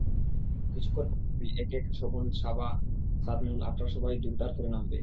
কিছুক্ষণ পরেই একে একে শোভন, সাবা, সাদমান, আফ্রা সবাই দুরদার করে নামবে।